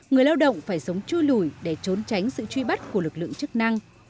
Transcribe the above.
người lao động phải sống chui lùi để trốn tránh sự truy bắt của lực lượng chức năng